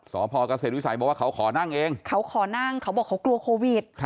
สพเกษตรวิสัยบอกว่าเขาขอนั่งเองเขาขอนั่งเขาบอกเขากลัวโควิด